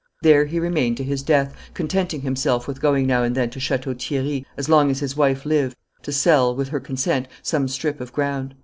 There he remained to his death, contenting himself with going now and then to Chateau Thierry, as long as his wife lived, to sell, with her consent, some strip of ground.